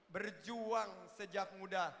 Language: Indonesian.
berjuang sejak muda